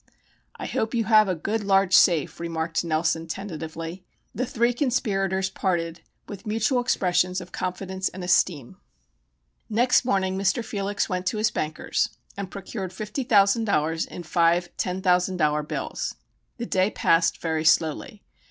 "I hope you have a good large safe," remarked Nelson, tentatively. The three conspirators parted with mutual expressions of confidence and esteem. Next morning Mr. Felix went to his bankers and procured $50,000 in five ten thousand dollar bills. The day passed very slowly.